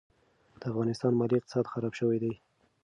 د افغانستان مالي اقتصاد خراب شوی دي.